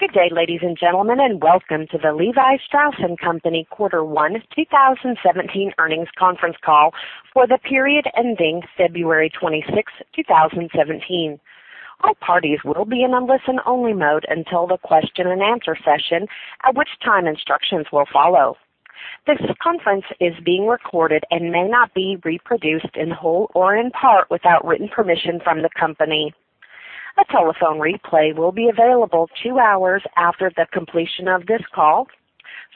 Good day, ladies and gentlemen, welcome to the Levi Strauss & Co. Quarter 1 2017 earnings conference call for the period ending February 26th, 2017. All parties will be in a listen-only mode until the question and answer session, at which time instructions will follow. This conference is being recorded and may not be reproduced in whole or in part without written permission from the company. A telephone replay will be available two hours after the completion of this call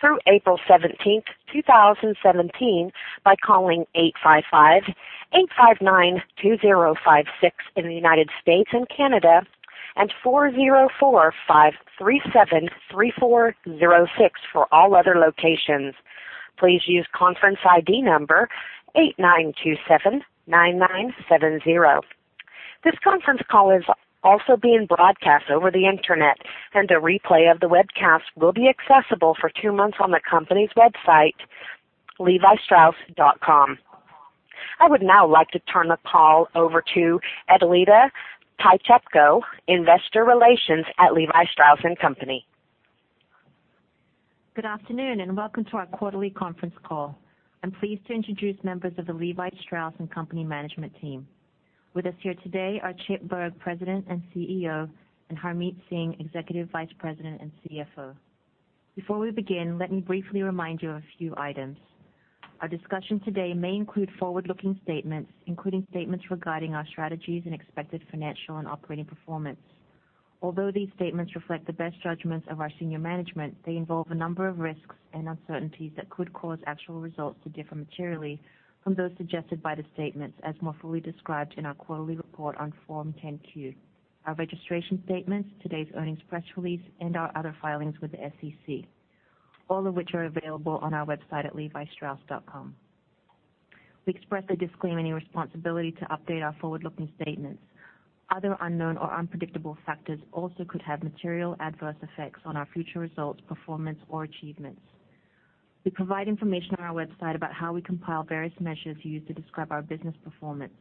through April 17th, 2017, by calling 855-859-2056 in the U.S. and Canada, and 404-537-3406 for all other locations. Please use conference ID number 89279970. This conference call is also being broadcast over the internet, and a replay of the webcast will be accessible for two months on the company's website, levistrauss.com. I would now like to turn the call over to Aida Pasalic, investor relations at Levi Strauss & Co. Good afternoon, welcome to our quarterly conference call. I'm pleased to introduce members of the Levi Strauss & Co. management team. With us here today are Chip Bergh, President and CEO, and Harmit Singh, Executive Vice President and CFO. Before we begin, let me briefly remind you of a few items. Our discussion today may include forward-looking statements, including statements regarding our strategies and expected financial and operating performance. Although these statements reflect the best judgments of our senior management, they involve a number of risks and uncertainties that could cause actual results to differ materially from those suggested by the statements as more fully described in our quarterly report on Form 10-Q. Our registration statements, today's earnings press release, and our other filings with the SEC, all of which are available on our website at levistrauss.com. We express a disclaimer in responsibility to update our forward-looking statements. Other unknown or unpredictable factors also could have material adverse effects on our future results, performance, or achievements. We provide information on our website about how we compile various measures used to describe our business performance.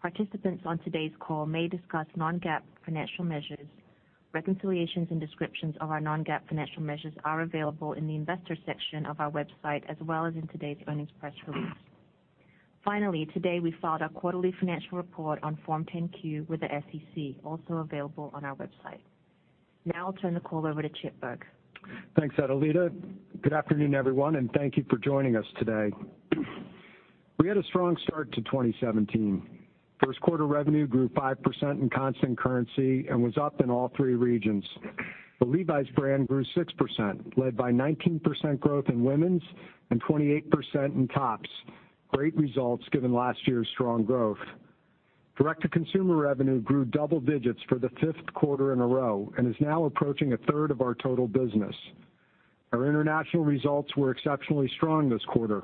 Participants on today's call may discuss non-GAAP financial measures. Reconciliations and descriptions of our non-GAAP financial measures are available in the investor section of our website, as well as in today's earnings press release. Today, we filed our quarterly financial report on Form 10-Q with the SEC, also available on our website. I'll turn the call over to Chip Bergh. Thanks, Aida Pasalic. Good afternoon, everyone, and thank you for joining us today. We had a strong start to 2017. First quarter revenue grew 5% in constant currency and was up in all three regions. The Levi's brand grew 6%, led by 19% growth in women's and 28% in tops. Great results given last year's strong growth. Direct-to-consumer revenue grew double digits for the fifth quarter in a row and is now approaching a third of our total business. Our international results were exceptionally strong this quarter.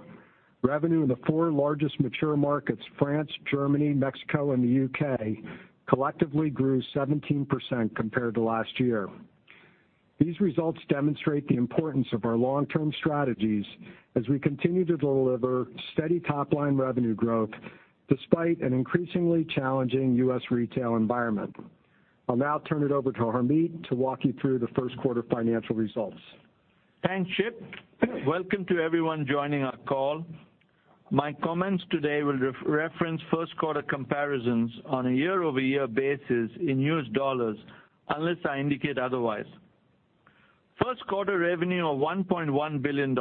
Revenue in the four largest mature markets, France, Germany, Mexico, and the U.K., collectively grew 17% compared to last year. These results demonstrate the importance of our long-term strategies as we continue to deliver steady top-line revenue growth despite an increasingly challenging U.S. retail environment. I'll now turn it over to Harmit to walk you through the first quarter financial results. Thanks, Chip. Welcome to everyone joining our call. My comments today will reference first quarter comparisons on a year-over-year basis in U.S. dollars, unless I indicate otherwise. First quarter revenue of $1.1 billion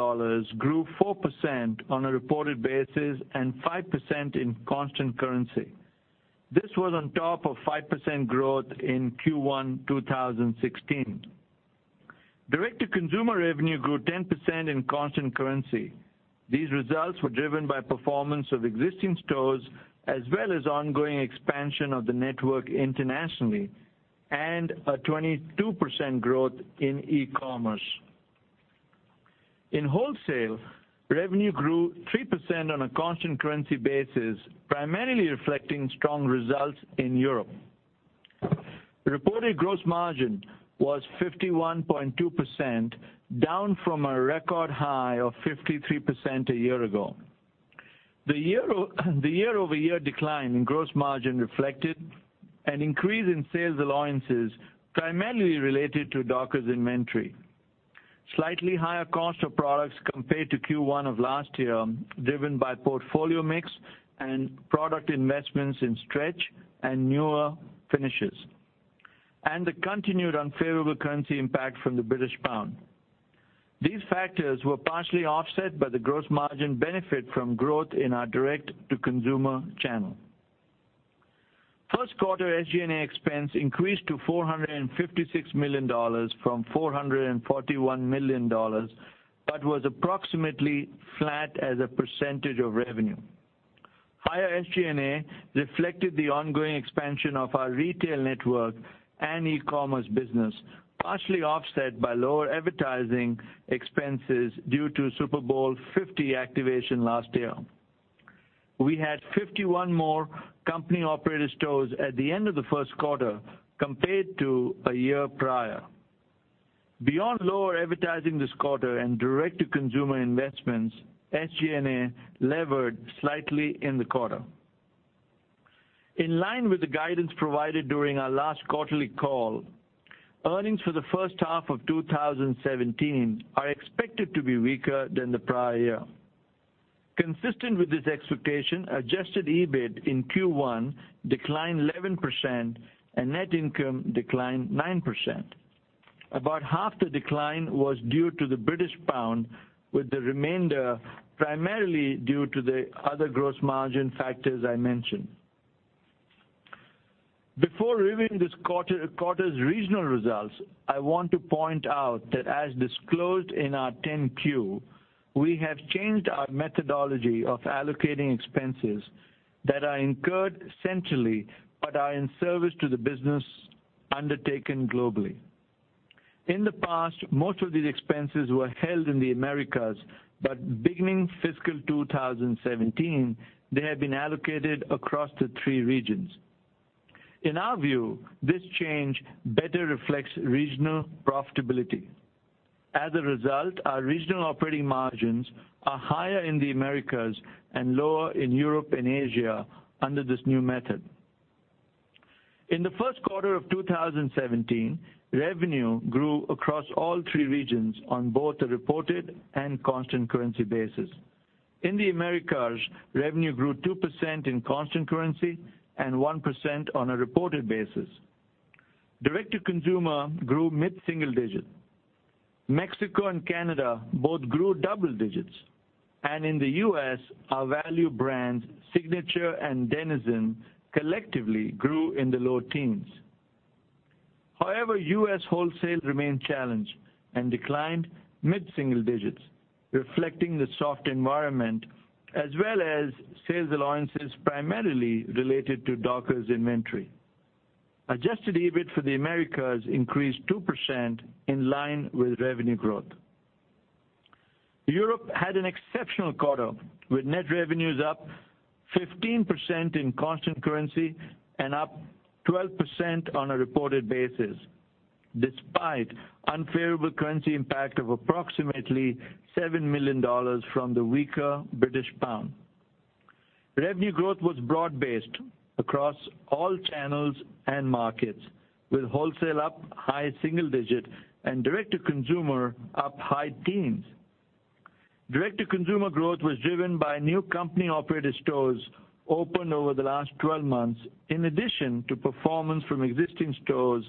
grew 4% on a reported basis and 5% in constant currency. This was on top of 5% growth in Q1 2016. Direct-to-consumer revenue grew 10% in constant currency. These results were driven by performance of existing stores, as well as ongoing expansion of the network internationally and a 22% growth in e-commerce. In wholesale, revenue grew 3% on a constant currency basis, primarily reflecting strong results in Europe. Reported gross margin was 51.2%, down from a record high of 53% a year ago. The year-over-year decline in gross margin reflected an increase in sales allowances primarily related to Dockers inventory. Slightly higher cost of products compared to Q1 of last year, driven by portfolio mix and product investments in stretch and newer finishes, and the continued unfavorable currency impact from the British pound. These factors were partially offset by the gross margin benefit from growth in our direct-to-consumer channel. First quarter SG&A expense increased to $456 million from $441 million, but was approximately flat as a percentage of revenue. Higher SG&A reflected the ongoing expansion of our retail network and e-commerce business, partially offset by lower advertising expenses due to Super Bowl 50 activation last year. We had 51 more company-operated stores at the end of the first quarter compared to a year prior. Beyond lower advertising this quarter and direct-to-consumer investments, SG&A levered slightly in the quarter. In line with the guidance provided during our last quarterly call, earnings for the first half of 2017 are expected to be weaker than the prior year. Consistent with this expectation, adjusted EBIT in Q1 declined 11%, and net income declined 9%. About half the decline was due to the British pound, with the remainder primarily due to the other gross margin factors I mentioned. Before reviewing this quarter's regional results, I want to point out that as disclosed in our 10-Q, we have changed our methodology of allocating expenses that are incurred centrally but are in service to the business undertaken globally. In the past, most of these expenses were held in the Americas, but beginning fiscal 2017, they have been allocated across the three regions. In our view, this change better reflects regional profitability. As a result, our regional operating margins are higher in the Americas and lower in Europe and Asia under this new method. In the first quarter of 2017, revenue grew across all three regions on both a reported and constant currency basis. In the Americas, revenue grew 2% in constant currency and 1% on a reported basis. Direct-to-consumer grew mid-single digit. Mexico and Canada both grew double digits. In the U.S., our value brands Signature and Denizen collectively grew in the low teens. However, U.S. wholesale remained challenged and declined mid-single digits, reflecting the soft environment as well as sales allowances primarily related to Dockers inventory. Adjusted EBIT for the Americas increased 2% in line with revenue growth. Europe had an exceptional quarter, with net revenues up 15% in constant currency and up 12% on a reported basis, despite unfavorable currency impact of approximately $7 million from the weaker British pound. Revenue growth was broad-based across all channels and markets, with wholesale up high single digit and direct-to-consumer up high teens. Direct-to-consumer growth was driven by new company-operated stores opened over the last 12 months, in addition to performance from existing stores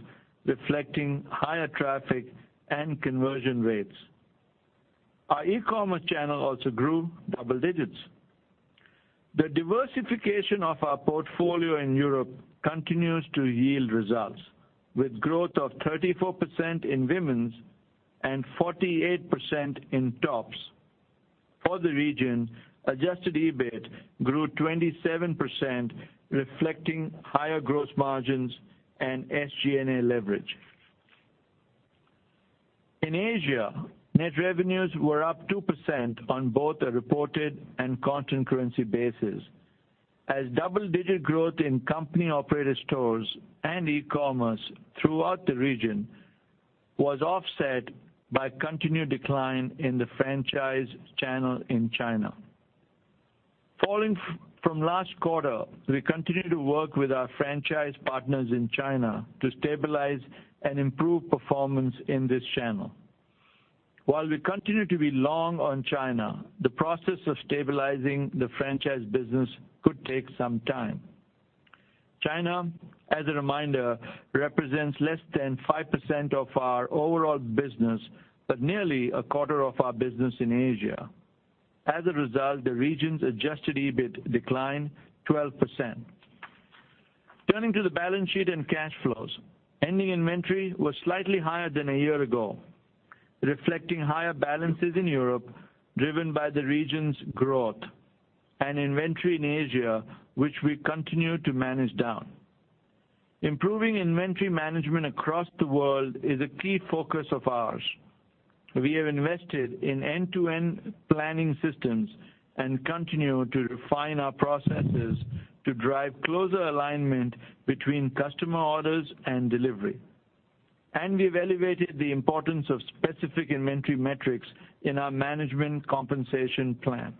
reflecting higher traffic and conversion rates. Our e-commerce channel also grew double digits. The diversification of our portfolio in Europe continues to yield results, with growth of 34% in women's and 48% in tops. For the region, adjusted EBIT grew 27%, reflecting higher gross margins and SG&A leverage. In Asia, net revenues were up 2% on both a reported and constant currency basis, as double-digit growth in company-operated stores and e-commerce throughout the region was offset by continued decline in the franchise channel in China. Following from last quarter, we continue to work with our franchise partners in China to stabilize and improve performance in this channel. While we continue to be long on China, the process of stabilizing the franchise business could take some time. China, as a reminder, represents less than 5% of our overall business, but nearly a quarter of our business in Asia. As a result, the region's adjusted EBIT declined 12%. Turning to the balance sheet and cash flows, ending inventory was slightly higher than a year ago, reflecting higher balances in Europe, driven by the region's growth and inventory in Asia, which we continue to manage down. Improving inventory management across the world is a key focus of ours. We have invested in end-to-end planning systems and continue to refine our processes to drive closer alignment between customer orders and delivery. We've elevated the importance of specific inventory metrics in our management compensation plan.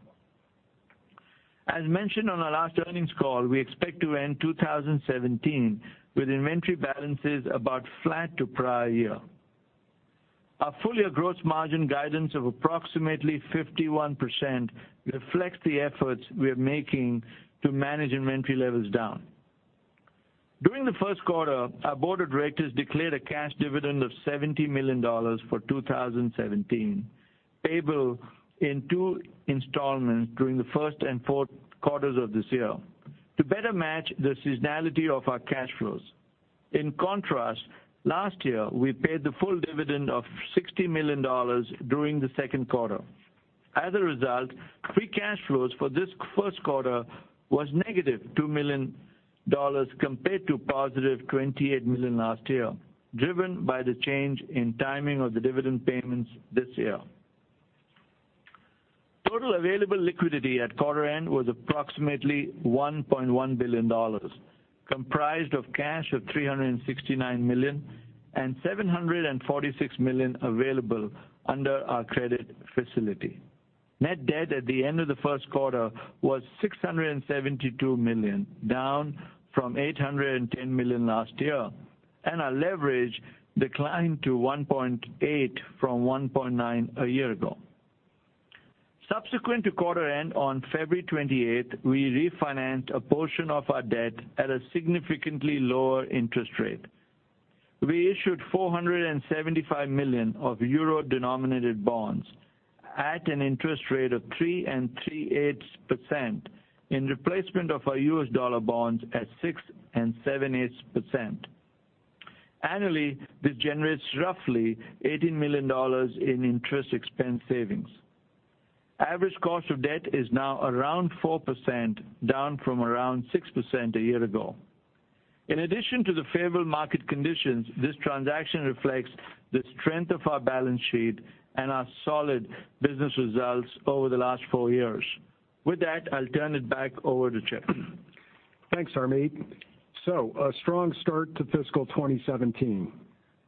As mentioned on our last earnings call, we expect to end 2017 with inventory balances about flat to prior year. Our full-year gross margin guidance of approximately 51% reflects the efforts we are making to manage inventory levels down. During the first quarter, our board of directors declared a cash dividend of $70 million for 2017, payable in two installments during the first and fourth quarters of this year to better match the seasonality of our cash flows. In contrast, last year, we paid the full dividend of $60 million during the second quarter. As a result, free cash flows for this first quarter was negative $2 million compared to positive $28 million last year, driven by the change in timing of the dividend payments this year. Total available liquidity at quarter end was approximately $1.1 billion, comprised of cash of $369 million and $746 million available under our credit facility. Net debt at the end of the first quarter was $672 million, down from $810 million last year, and our leverage declined to 1.8 from 1.9 a year ago. Subsequent to quarter end on February 28th, we refinanced a portion of our debt at a significantly lower interest rate. We issued 475 million of euro-denominated bonds at an interest rate of 3.375% in replacement of our U.S. dollar bonds at 6.625%. Annually, this generates roughly $18 million in interest expense savings. Average cost of debt is now around 4%, down from around 6% a year ago. In addition to the favorable market conditions, this transaction reflects the strength of our balance sheet and our solid business results over the last four years. With that, I'll turn it back over to Chip. Thanks, Harmit. A strong start to fiscal 2017.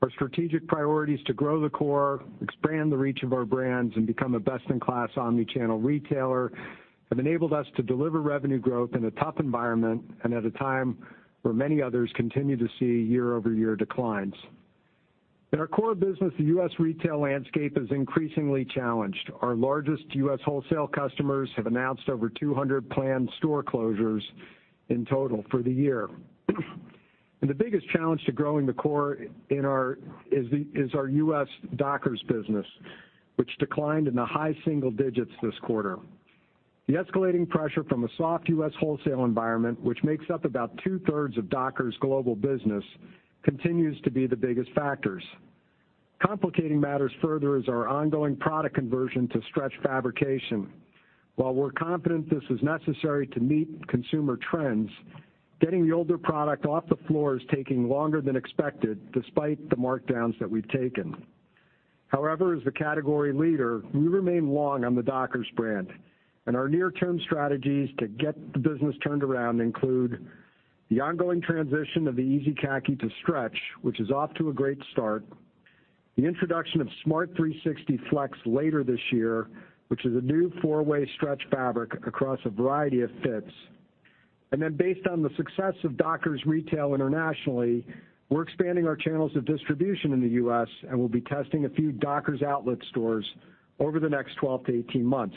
Our strategic priority is to grow the core, expand the reach of our brands, and become a best-in-class omni-channel retailer, have enabled us to deliver revenue growth in a tough environment and at a time where many others continue to see year-over-year declines. In our core business, the U.S. retail landscape is increasingly challenged. Our largest U.S. wholesale customers have announced over 200 planned store closures in total for the year. The biggest challenge to growing the core is our U.S. Dockers business, which declined in the high single digits this quarter. The escalating pressure from a soft U.S. wholesale environment, which makes up about two-thirds of Dockers' global business, continues to be the biggest factors. Complicating matters further is our ongoing product conversion to stretch fabrication. While we're confident this is necessary to meet consumer trends, getting the older product off the floor is taking longer than expected, despite the markdowns that we've taken. However, as the category leader, we remain long on the Dockers brand, and our near-term strategies to get the business turned around include the ongoing transition of the Easy Khaki to stretch, which is off to a great start, the introduction of Smart 360 Flex later this year, which is a new four-way stretch fabric across a variety of fits. Based on the success of Dockers retail internationally, we're expanding our channels of distribution in the U.S. and will be testing a few Dockers outlet stores over the next 12 to 18 months.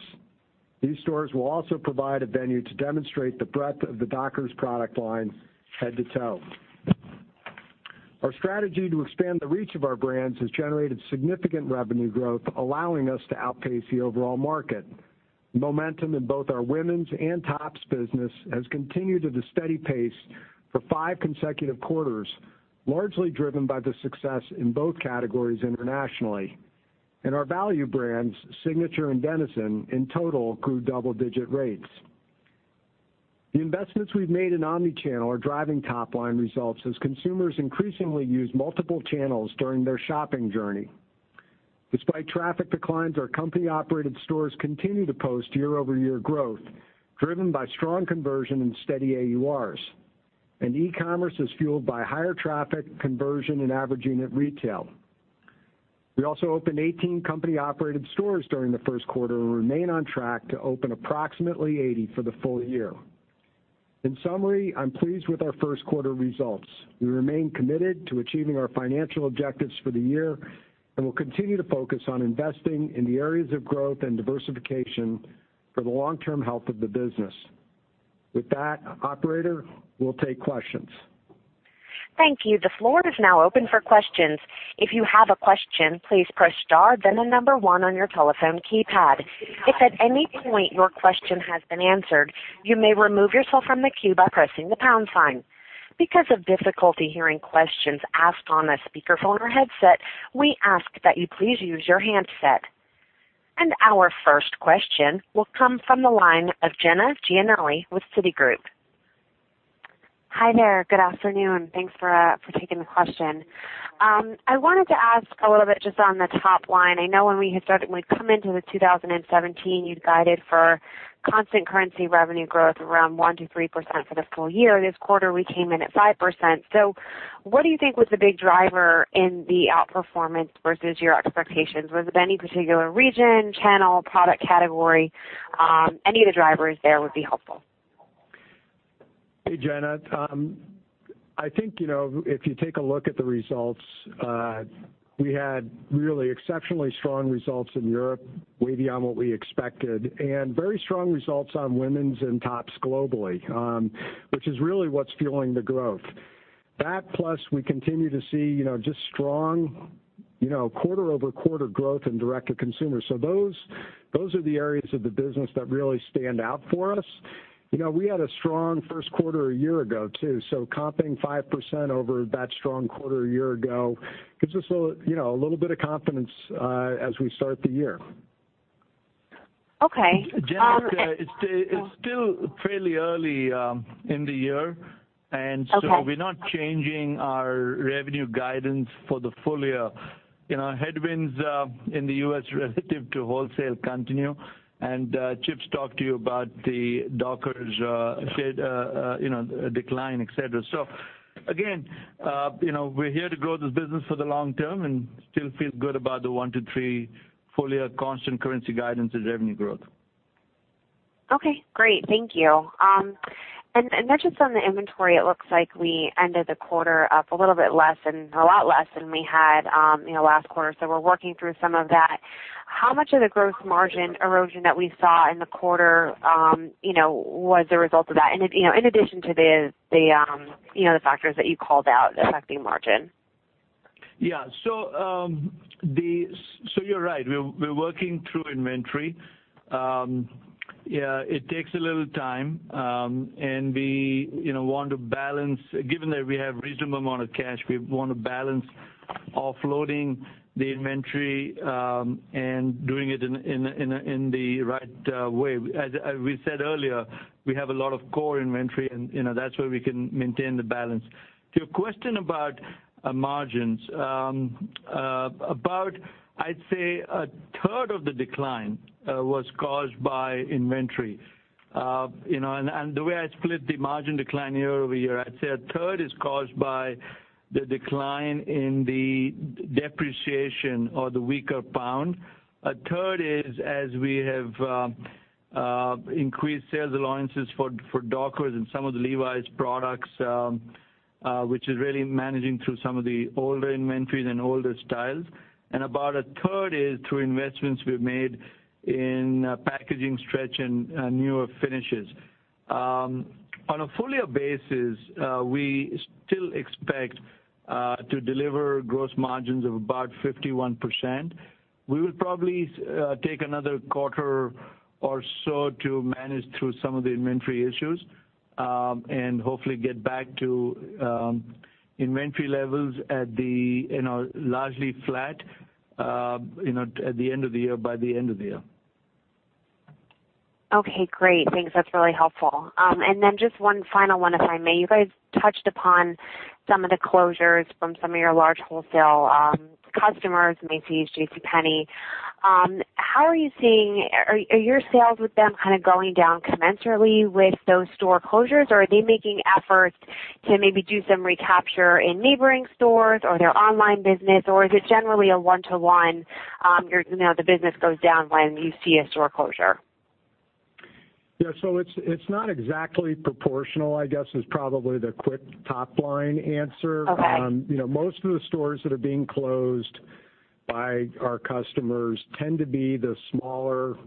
These stores will also provide a venue to demonstrate the breadth of the Dockers product line head to toe. Our strategy to expand the reach of our brands has generated significant revenue growth, allowing us to outpace the overall market. Momentum in both our women's and tops business has continued at a steady pace for five consecutive quarters, largely driven by the success in both categories internationally. Our value brands, Signature and Denizen, in total, grew double-digit rates. The investments we've made in omni-channel are driving top-line results as consumers increasingly use multiple channels during their shopping journey. Despite traffic declines, our company-operated stores continue to post year-over-year growth, driven by strong conversion and steady AURs. E-commerce is fueled by higher traffic conversion and average unit retail. We also opened 18 company-operated stores during the first quarter and remain on track to open approximately 80 for the full year. In summary, I'm pleased with our first quarter results. We remain committed to achieving our financial objectives for the year and will continue to focus on investing in the areas of growth and diversification for the long-term health of the business. With that, operator, we'll take questions. Thank you. The floor is now open for questions. If you have a question, please press star then the number 1 on your telephone keypad. If at any point your question has been answered, you may remove yourself from the queue by pressing the pound sign. Because of difficulty hearing questions asked on a speakerphone or headset, we ask that you please use your handset. Our first question will come from the line of Jenna Giannelli with Citigroup. Hi there. Good afternoon. Thanks for taking the question. I wanted to ask a little bit just on the top-line. I know when we had started, when we'd come into 2017, you'd guided for constant currency revenue growth around 1%-3% for the full year. This quarter, we came in at 5%. What do you think was the big driver in the outperformance versus your expectations? Was it any particular region, channel, product category? Any of the drivers there would be helpful. Hey, Jenna. I think, if you take a look at the results, we had really exceptionally strong results in Europe, way beyond what we expected, and very strong results on women's and tops globally, which is really what's fueling the growth. That plus we continue to see just strong quarter-over-quarter growth in direct-to-consumer. Those are the areas of the business that really stand out for us. We had a strong first quarter a year ago, too. Comping 5% over that strong quarter a year ago gives us a little bit of confidence as we start the year. Okay. Jenna, it's still fairly early in the year. Okay. We're not changing our revenue guidance for the full year. Headwinds in the U.S. relative to wholesale continue, and Chip's talked to you about the Dockers decline, et cetera. Again, we're here to grow this business for the long term and still feel good about the 1-3 full year constant currency guidance and revenue growth. Okay, great. Thank you. Just on the inventory, it looks like we ended the quarter up a lot less than we had last quarter. We're working through some of that. How much of the gross margin erosion that we saw in the quarter was a result of that, in addition to the factors that you called out affecting margin? You're right. We're working through inventory. It takes a little time, and given that we have reasonable amount of cash, we want to balance offloading the inventory and doing it in the right way. As we said earlier, we have a lot of core inventory, and that's where we can maintain the balance. To your question about margins, about, I'd say, a third of the decline was caused by inventory. The way I'd split the margin decline year-over-year, I'd say a third is caused by the decline in the depreciation or the weaker pound. A third is as we have increased sales allowances for Dockers and some of the Levi's products, which is really managing through some of the older inventories and older styles. About a third is through investments we've made in packaging stretch and newer finishes. On a full-year basis, we still expect to deliver gross margins of about 51%. We will probably take another quarter or so to manage through some of the inventory issues. Hopefully get back to inventory levels at the largely flat by the end of the year. Great. Thanks. That's really helpful. Then just one final one, if I may. You guys touched upon some of the closures from some of your large wholesale customers, Macy's, JCPenney. Are your sales with them going down commensurately with those store closures, or are they making efforts to maybe do some recapture in neighboring stores or their online business, or is it generally a one-to-one, the business goes down when you see a store closure? It's not exactly proportional, I guess, is probably the quick top-line answer. Okay. Most of the stores that are being closed by our customers tend to be the smaller,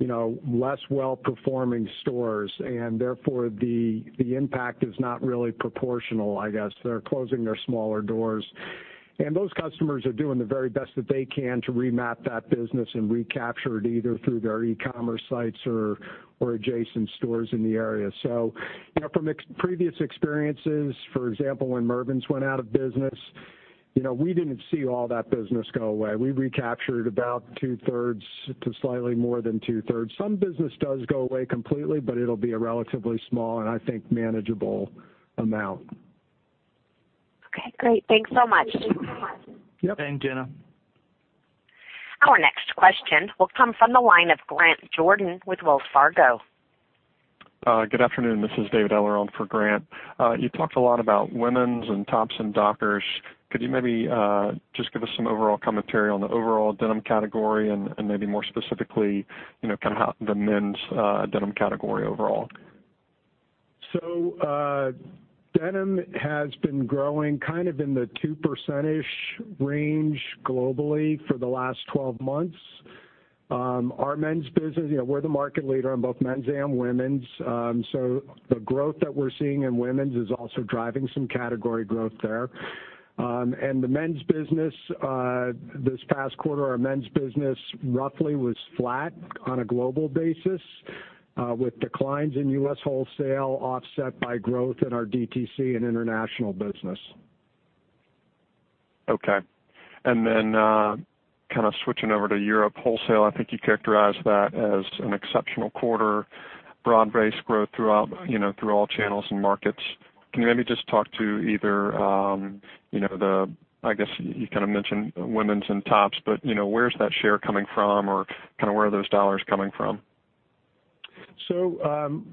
less well-performing stores. Therefore, the impact is not really proportional, I guess. They're closing their smaller doors. Those customers are doing the very best that they can to remap that business and recapture it, either through their e-commerce sites or adjacent stores in the area. From previous experiences, for example, when Mervyn's went out of business, we didn't see all that business go away. We recaptured about two-thirds to slightly more than two-thirds. Some business does go away completely, but it'll be a relatively small, and I think manageable amount. Okay, great. Thanks so much. Yep. Thanks, Jenna. Our next question will come from the line of Grant Jordan with Wells Fargo. Good afternoon. This is David Eller on for Grant. You talked a lot about women's and tops and Dockers. Could you maybe just give us some overall commentary on the overall denim category and maybe more specifically, the men's denim category overall? Denim has been growing in the two%-ish range globally for the last 12 months. Our men's business, we're the market leader on both men's and women's. The growth that we're seeing in women's is also driving some category growth there. The men's business this past quarter, our men's business roughly was flat on a global basis, with declines in U.S. wholesale offset by growth in our DTC and international business. Okay. Switching over to Europe wholesale, I think you characterized that as an exceptional quarter, broad-based growth through all channels and markets. Can you maybe just talk to either the, I guess, you mentioned women's and tops, but where's that share coming from or where are those dollars coming from?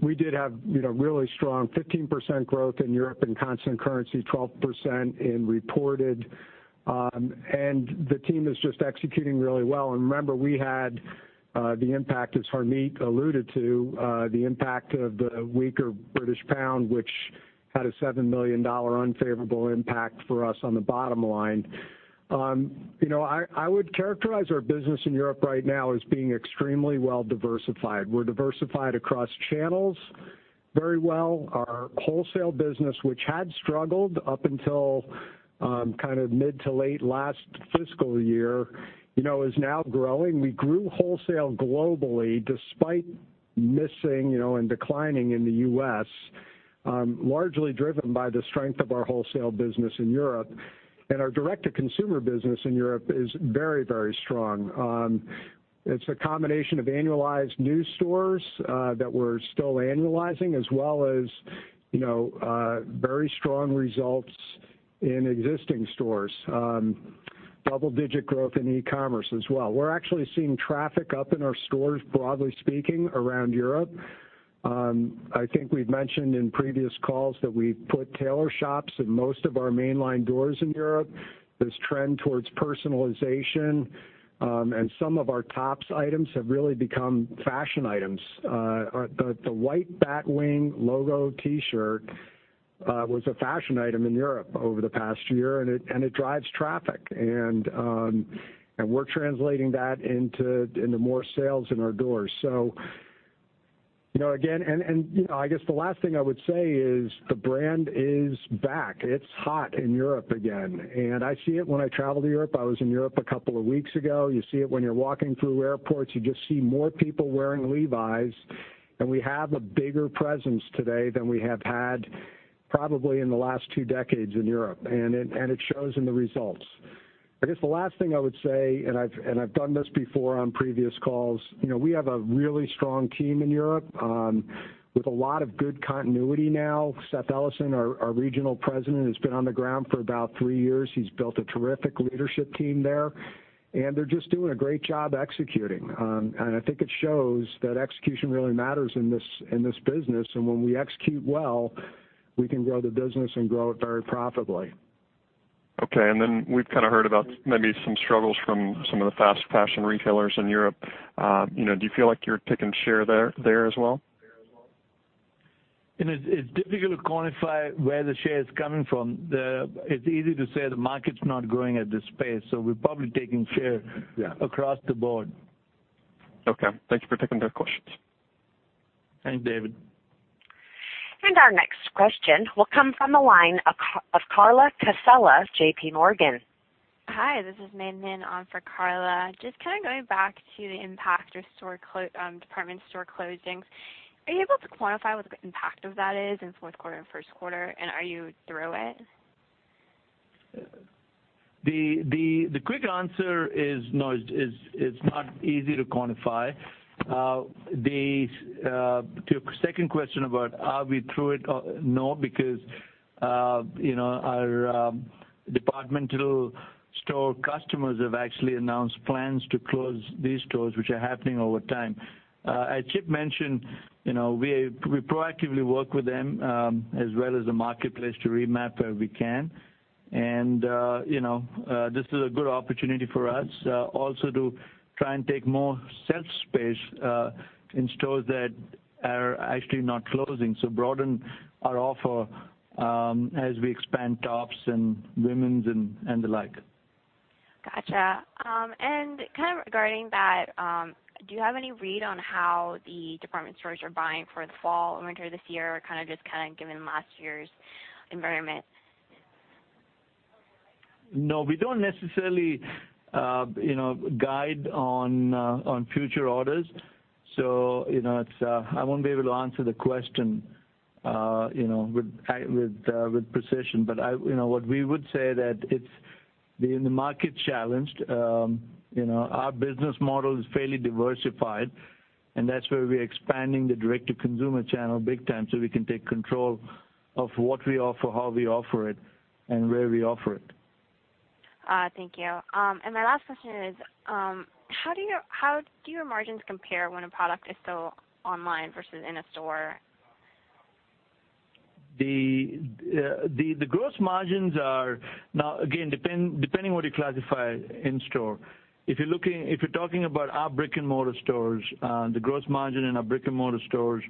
We did have really strong 15% growth in Europe in constant currency, 12% in reported. The team is just executing really well. Remember, we had the impact, as Harmit alluded to, the impact of the weaker British pound, which had a $7 million unfavorable impact for us on the bottom line. I would characterize our business in Europe right now as being extremely well diversified. We're diversified across channels very well. Our wholesale business, which had struggled up until mid to late last fiscal year, is now growing. We grew wholesale globally despite missing and declining in the U.S., largely driven by the strength of our wholesale business in Europe. Our direct-to-consumer business in Europe is very strong. It's a combination of annualized new stores that we're still annualizing, as well as very strong results in existing stores. Double-digit growth in e-commerce as well. We're actually seeing traffic up in our stores, broadly speaking, around Europe. I think we've mentioned in previous calls that we've put tailor shops in most of our main line doors in Europe. This trend towards personalization, and some of our tops items have really become fashion items. The white batwing logo T-shirt was a fashion item in Europe over the past year. It drives traffic. We're translating that into more sales in our doors. Again, I guess the last thing I would say is the brand is back. It's hot in Europe again. I see it when I travel to Europe. I was in Europe a couple of weeks ago. You see it when you're walking through airports. You just see more people wearing Levi's. We have a bigger presence today than we have had probably in the last two decades in Europe. It shows in the results. I guess the last thing I would say, I've done this before on previous calls, we have a really strong team in Europe, with a lot of good continuity now. Seth Ellison, our regional president, has been on the ground for about three years. He's built a terrific leadership team there, and they're just doing a great job executing. I think it shows that execution really matters in this business. When we execute well, we can grow the business and grow it very profitably. Okay, we've kind of heard about maybe some struggles from some of the fast fashion retailers in Europe. Do you feel like you're taking share there as well? It's difficult to quantify where the share is coming from. It's easy to say the market's not growing at this pace, so we're probably taking share across the board. Okay. Thank you for taking the questions. Thanks, David. Our next question will come from the line of Carla Casella, JP Morgan. Hi, this is Mei Lin on for Carla. Just kind of going back to the impact department store closings. Are you able to quantify what the impact of that is in fourth quarter and first quarter, and are you through it? The quick answer is no. It's not easy to quantify. To your second question about are we through it? No, because our department store customers have actually announced plans to close these stores, which are happening over time. As Chip mentioned, we proactively work with them, as well as the marketplace to remap where we can. This is a good opportunity for us also to try and take more shelf space in stores that are actually not closing. Broaden our offer as we expand tops and women's and the like. Got you. Kind of regarding that, do you have any read on how the department stores are buying for the fall or winter this year? Kind of just given last year's environment? No, we don't necessarily guide on future orders. I won't be able to answer the question with precision. What we would say that it's being the market's challenged. Our business model is fairly diversified, and that's where we're expanding the direct-to-consumer channel big time so we can take control of what we offer, how we offer it, and where we offer it. Thank you. My last question is, how do your margins compare when a product is sold online versus in a store? The gross margins are now, again, depending what you classify in store. If you're talking about our brick-and-mortar stores, the gross margin in our brick-and-mortar stores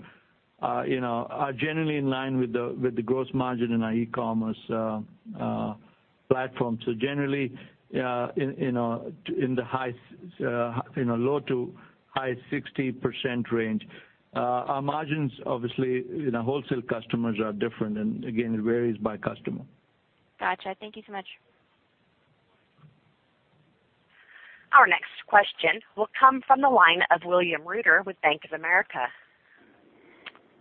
are generally in line with the gross margin in our e-commerce platform. Generally, in the low to high 60% range. Our margins, obviously, wholesale customers are different and again, it varies by customer. Got you. Thank you so much. Our next question will come from the line of William Reuter with Bank of America.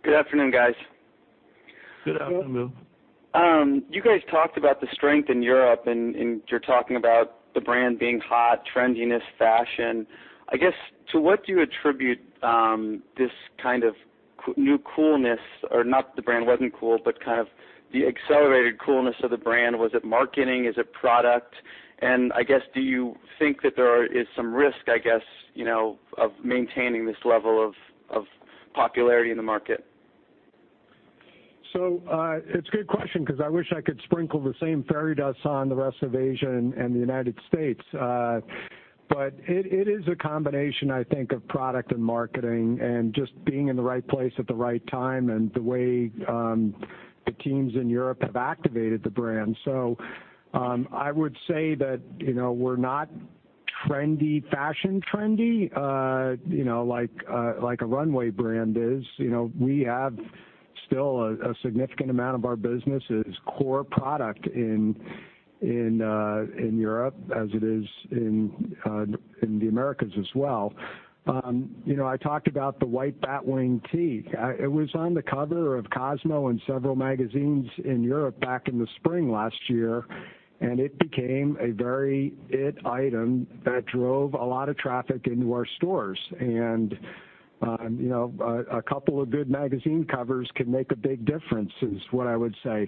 Good afternoon, guys. Good afternoon, Bill. You guys talked about the strength in Europe and you're talking about the brand being hot, trendiness, fashion. I guess, to what do you attribute this kind of new coolness, or not the brand wasn't cool, but kind of the accelerated coolness of the brand? Was it marketing? Is it product? I guess, do you think that there is some risk, I guess, of maintaining this level of popularity in the market? It's a good question because I wish I could sprinkle the same fairy dust on the rest of Asia and the U.S. It is a combination, I think, of product and marketing and just being in the right place at the right time and the way the teams in Europe have activated the brand. I would say that we're not trendy, fashion trendy, like a runway brand is. We have still a significant amount of our business is core product in Europe as it is in the Americas as well. I talked about the white batwing tee. It was on the cover of Cosmo and several magazines in Europe back in the spring last year, and it became a very it item that drove a lot of traffic into our stores. A couple of good magazine covers can make a big difference is what I would say.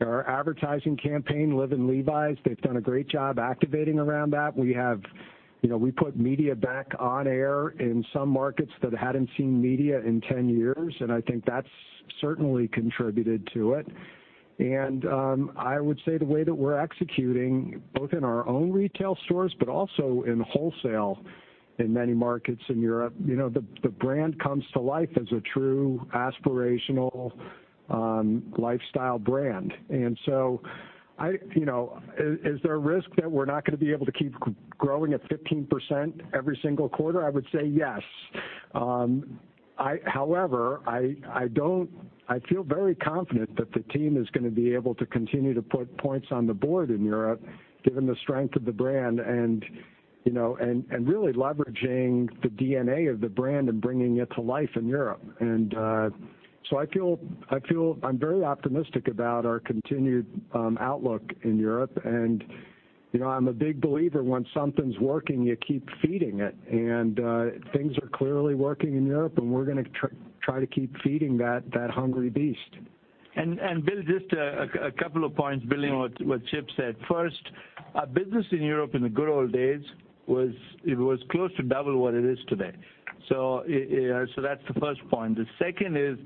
Our advertising campaign, Live in Levi's, they've done a great job activating around that. We put media back on air in some markets that hadn't seen media in 10 years, and I think that's certainly contributed to it. I would say the way that we're executing, both in our own retail stores, but also in wholesale in many markets in Europe. The brand comes to life as a true aspirational, lifestyle brand. Is there a risk that we're not going to be able to keep growing at 15% every single quarter? I would say yes. However, I feel very confident that the team is going to be able to continue to put points on the board in Europe, given the strength of the brand and really leveraging the DNA of the brand and bringing it to life in Europe. I'm very optimistic about our continued outlook in Europe. I'm a big believer when something's working, you keep feeding it. Things are clearly working in Europe, and we're going to try to keep feeding that hungry beast. Bill, just a couple of points building on what Chip said. First, our business in Europe in the good old days was close to double what it is today. That's the first point. The second is,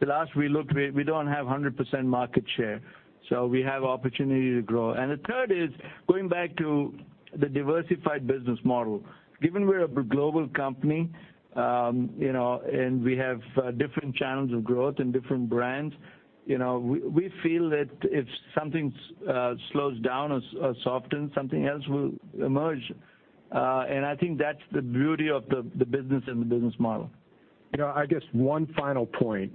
the last we looked, we don't have 100% market share, so we have opportunity to grow. The third is going back to the diversified business model. Given we're a global company, and we have different channels of growth and different brands, we feel that if something slows down or softens, something else will emerge. I think that's the beauty of the business and the business model. I guess one final point.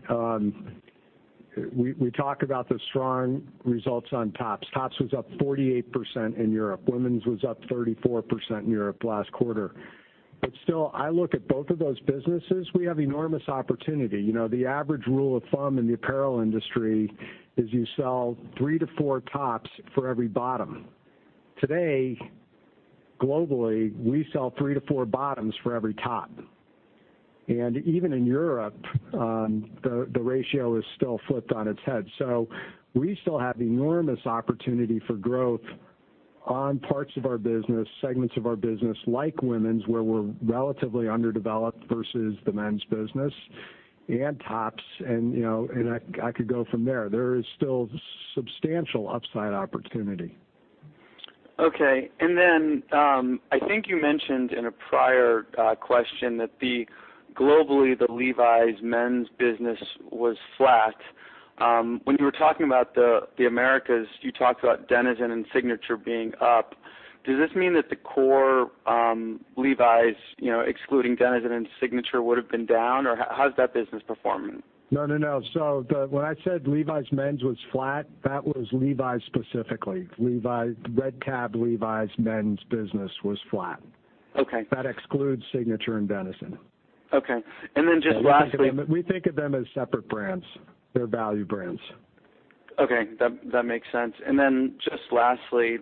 We talk about the strong results on tops. Tops was up 48% in Europe. Women's was up 34% in Europe last quarter. Still, I look at both of those businesses. We have enormous opportunity. The average rule of thumb in the apparel industry is you sell three to four tops for every bottom. Today, globally, we sell three to four bottoms for every top. Even in Europe, the ratio is still flipped on its head. We still have enormous opportunity for growth on parts of our business, segments of our business, like women's, where we're relatively underdeveloped versus the men's business and tops. I could go from there. There is still substantial upside opportunity. Okay. Then, I think you mentioned in a prior question that globally the Levi's men's business was flat. When you were talking about the Americas, you talked about Denizen and Signature being up. Does this mean that the core Levi's, excluding Denizen and Signature, would've been down? How's that business performing? No. When I said Levi's men's was flat, that was Levi's specifically. Red Tab Levi's men's business was flat. Okay. That excludes Signature and Denizen. Okay. Just lastly. We think of them as separate brands. They're value brands. Okay. That makes sense. Just lastly,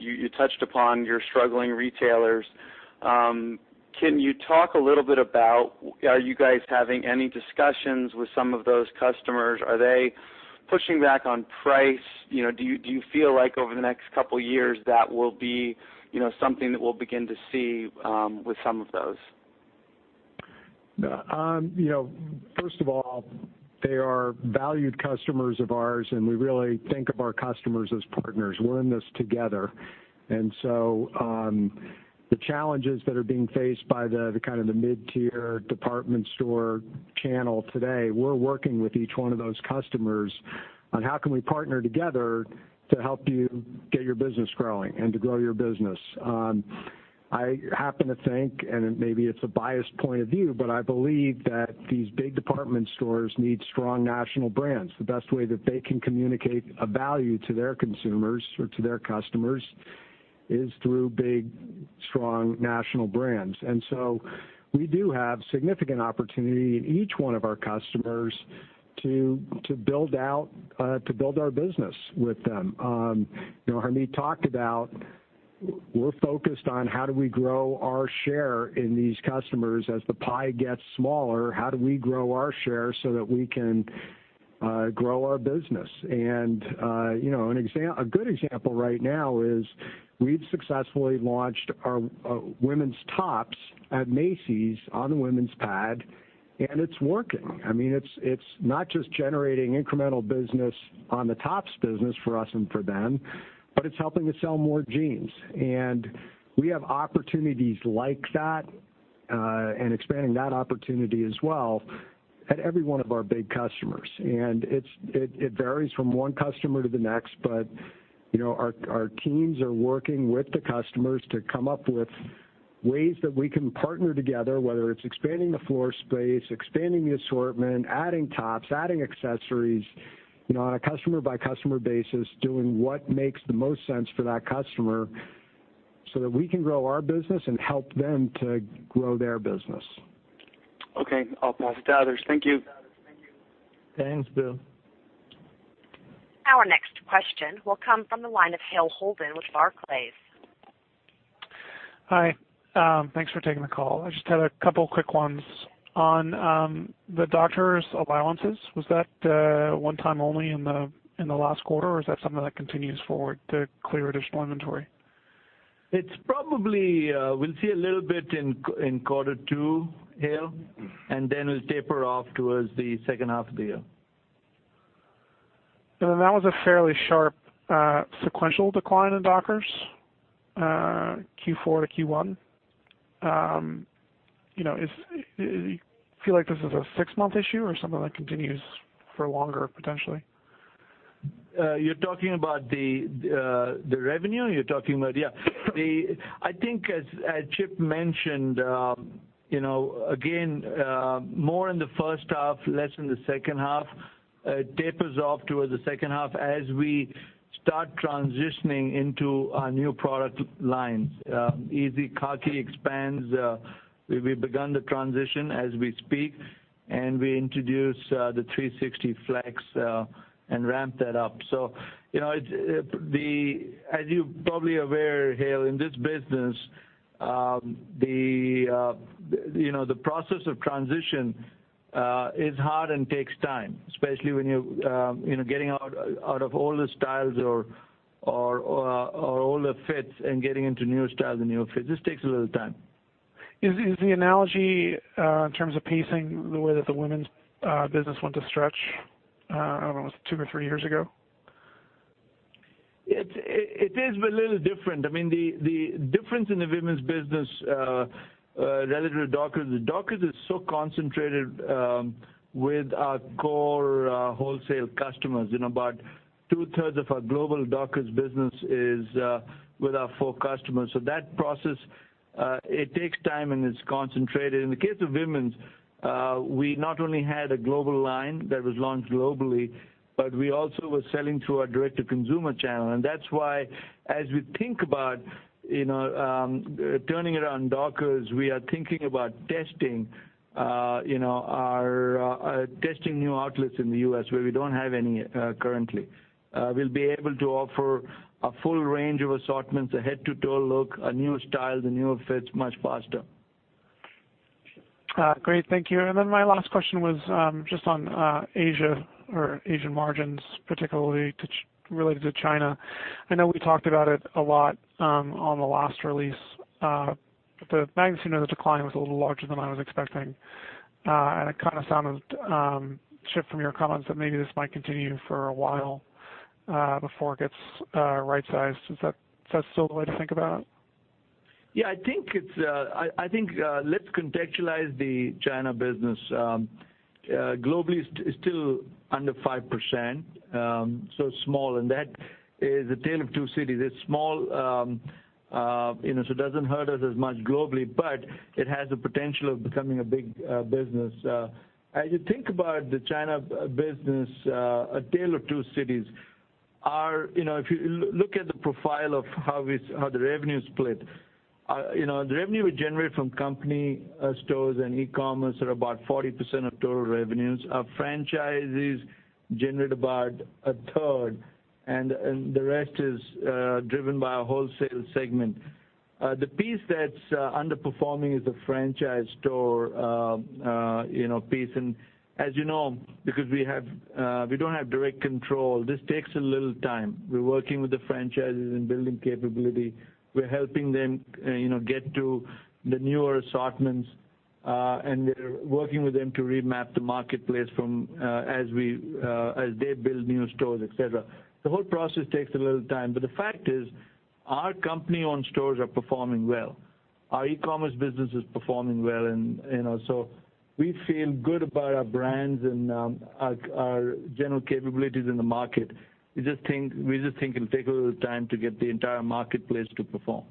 you touched upon your struggling retailers. Can you talk a little bit about, are you guys having any discussions with some of those customers? Are they pushing back on price? Do you feel like over the next couple of years that will be something that we'll begin to see with some of those? First of all, they are valued customers of ours. We really think of our customers as partners. We're in this together. The challenges that are being faced by the mid-tier department store channel today, we're working with each one of those customers on how can we partner together to help you get your business growing and to grow your business. I happen to think, and maybe it's a biased point of view, but I believe that these big department stores need strong national brands. The best way that they can communicate a value to their consumers or to their customers is through big, strong national brands. We do have significant opportunity in each one of our customers to build our business with them. Harmit talked about we're focused on how do we grow our share in these customers. As the pie gets smaller, how do we grow our share so that we can grow our business? A good example right now is we've successfully launched our women's tops at Macy's on the women's pad, and it's working. It's not just generating incremental business on the tops business for us and for them, but it's helping to sell more jeans. We have opportunities like that, and expanding that opportunity as well at every one of our big customers. It varies from one customer to the next, but our teams are working with the customers to come up with ways that we can partner together, whether it's expanding the floor space, expanding the assortment, adding tops, adding accessories on a customer by customer basis, doing what makes the most sense for that customer so that we can grow our business and help them to grow their business. Okay. I'll pass it to others. Thank you. Thanks, Bill. Our next question will come from the line of Hale Holden with Barclays. Hi. Thanks for taking the call. I just had a couple quick ones. On the Dockers allowances, was that one-time only in the last quarter, or is that something that continues forward to clear additional inventory? It's probably, we'll see a little bit in Q2 here, then we'll taper off towards the second half of the year. That was a fairly sharp sequential decline in Dockers, Q4 to Q1. Do you feel like this is a six-month issue or something that continues for longer, potentially? You're talking about the revenue? You're talking about, yeah. I think as Chip mentioned, again, more in the first half, less in the second half. It tapers off towards the second half as we start transitioning into our new product lines. Easy Khaki expands. We've begun the transition as we speak, and we introduce the 360 Flex and ramp that up. As you're probably aware, Hale, in this business, the process of transition is hard and takes time, especially when you're getting out of older styles or older fits and getting into newer styles and newer fits. This takes a little time. Is the analogy in terms of pacing the way that the women's business went to stretch, I don't know, was it two or three years ago? It is, a little different. I mean, the difference in the women's business relative to Dockers, is Dockers is so concentrated with our core wholesale customers. About two-thirds of our global Dockers business is with our four customers. That process, it takes time, and it's concentrated. In the case of women's, we not only had a global line that was launched globally, but we also were selling through our direct-to-consumer channel. That's why, as we think about turning it on Dockers, we are thinking about testing new outlets in the U.S. where we don't have any currently. We'll be able to offer a full range of assortments, a head-to-toe look, a newer style, the newer fits much faster. Great. Thank you. My last question was just on Asia or Asian margins, particularly related to China. I know we talked about it a lot on the last release. The magnitude of the decline was a little larger than I was expecting. It kind of sounded, Chip, from your comments, that maybe this might continue for a while before it gets right-sized. Is that still the way to think about it? I think let's contextualize the China business. Globally, it's still under 5%, small, that is a tale of two cities. It's small, it doesn't hurt us as much globally, but it has the potential of becoming a big business. As you think about the China business, a tale of two cities. If you look at the profile of how the revenue is split, the revenue we generate from company stores and e-commerce are about 40% of total revenues. Our franchises generate about a third, the rest is driven by our wholesale segment. The piece that's underperforming is the franchise store piece. As you know, because we don't have direct control, this takes a little time. We're working with the franchises and building capability. We're helping them get to the newer assortments, we're working with them to remap the marketplace as they build new stores, et cetera. The whole process takes a little time. The fact is, our company-owned stores are performing well. Our e-commerce business is performing well, we feel good about our brands and our general capabilities in the market. We just think it'll take a little time to get the entire marketplace to perform.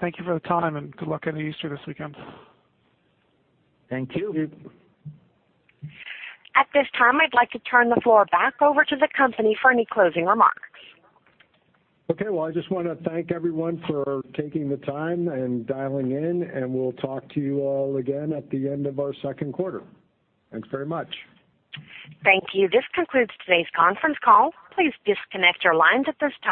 Thank you for the time, good luck on Easter this weekend. Thank you. At this time, I'd like to turn the floor back over to the company for any closing remarks. Okay. Well, I just want to thank everyone for taking the time and dialing in, and we'll talk to you all again at the end of our second quarter. Thanks very much. Thank you. This concludes today's conference call. Please disconnect your lines at this time.